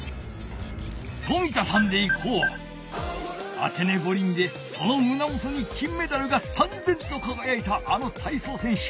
アテネ五輪でそのむなもとに金メダルがさんぜんとかがやいたあの体操選手